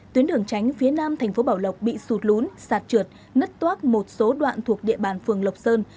tuyến đường tránh phía nam thành phố bảo lộc bị sụt lún sạt trượt nất toác một số đoạn thuộc địa bàn phường lộc sơn